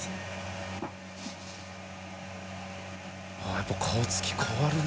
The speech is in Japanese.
やっぱり顔つき変わるな。